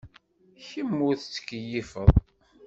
Kemm ur tettkeyyifeḍ.